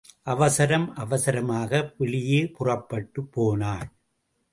அவசரம் அவசரமாக வெளியே புறப்பட்டு போனாள்.